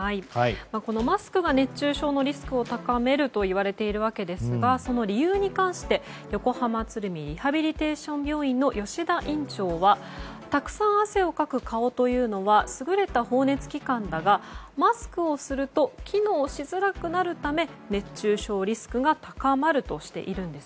マスクが熱中症のリスクを高めるといわれているわけですがその理由に関して横浜鶴見リハビリテーション病院吉田院長はたくさん汗をかく顔というのは優れた放熱器官だがマスクをすると機能しづらくなるため熱中症リスクが高まるとしているんです。